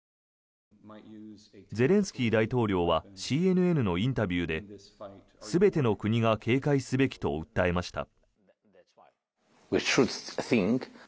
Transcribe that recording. ゼレンスキー大統領はＣＮＮのインタビューで全ての国が警戒すべきと訴えました。